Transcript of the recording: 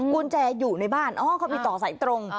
กุญแจอยู่ในบ้านอ๋อเขามีต่อสายตรง